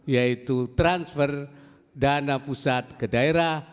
yaitu transfer dana pusat ke daerah